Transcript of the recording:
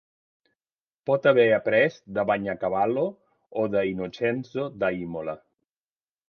Pot haver aprés de Bagnacavallo o de Innocenzo da Imola.